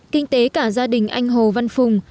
kinh tế cả gia đình anh hồ văn phùng